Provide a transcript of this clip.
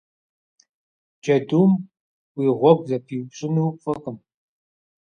Джэдум уи гъуэгу зэпиупщӏыну фӏыкъым.